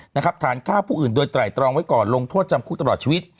ฐานฆ่าผู้อื่นโดยไตรตรองไว้ก่อนลงโทษจำคุกตลอดชีวิต